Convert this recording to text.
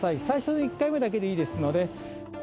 最初の１回目だけでいいですので。